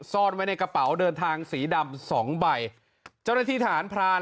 ซ่อนไว้ในกระเป๋าเดินทางสีดำสองใบเจ้าหน้าที่ทหารพราน